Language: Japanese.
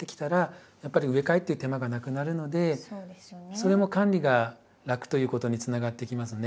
それも管理が楽ということにつながってきますね。